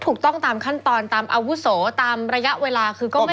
ถูกต้องตามขั้นตอนตามอาวุโสตามระยะเวลาคือก็ไม่